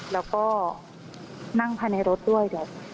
แล้วก็นั่งภายในรถด้วย